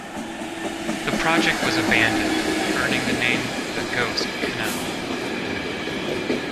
The project was abandoned, earning it the name "The Ghost Canal".